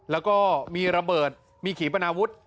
แล้วก็มีระเบิดมีขีปนาวุฒิ